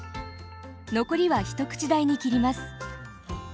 残りは一口大に切ります。